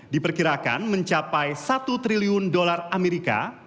diperkirakan mencapai satu triliun dolar amerika